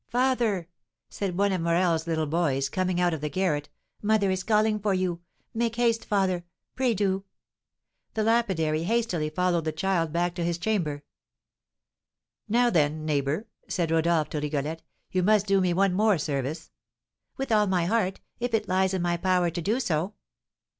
father!" said one of Morel's little boys, coming out of the garret, "mother is calling for you! Make haste, father, pray do!" The lapidary hastily followed the child back to his chamber. "Now, then, neighbour," said Rodolph to Rigolette, "you must do me one more service." "With all my heart, if it lies in my power to do so."